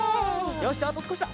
よしじゃああとすこしだ。